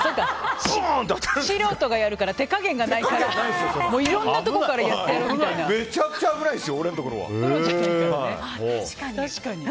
素人がやるから手加減がないからいろんなところからやってやるみたいな。